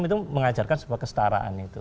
itu mengajarkan kesetaraan itu